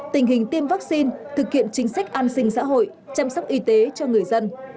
tình hình tiêm vaccine thực hiện chính sách an sinh xã hội chăm sóc y tế cho người dân